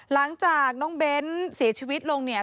หลังจากน้องเบ้นเสียชีวิตลงเนี่ย